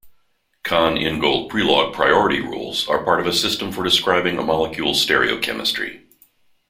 Cahn-Ingold-Prelog priority rules are part of a system for describing a molecule's stereochemistry.